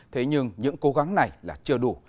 thế nhưng những cố gắng này là chưa đủ